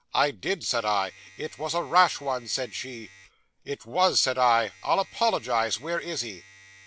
"I did," said I. "It was a rash one," said she. "It was," said I. "I'll apologise. Where is he?"